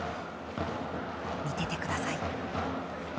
見ててください。